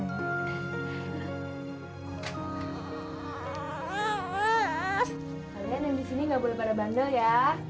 kalian yang di sini nggak boleh pada bandel ya